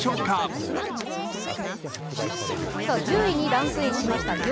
１０位にランクインしました